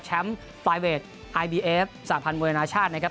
แชมป์ไฟเวทไอบีเอฟสาธารณ์มูลนาชาตินะครับ